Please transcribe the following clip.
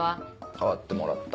代わってもらった。